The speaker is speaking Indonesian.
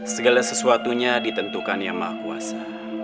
segala sesuatunya ditentukan yang maha kuasa